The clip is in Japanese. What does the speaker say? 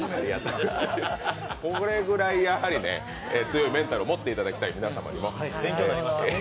これぐらい強いメンタルを持っていただきたい、皆様にも。